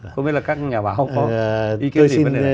không biết là các nhà báo có ý kiến gì về vấn đề này